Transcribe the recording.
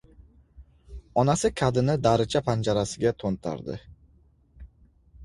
Onasi kadini daricha panjarasiga to‘ntardi.